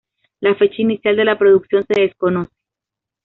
La fecha inicial de la producción se desconoce.